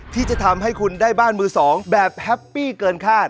ที่จะทำให้คุณได้บ้านมือสองแบบแฮปปี้เกินคาด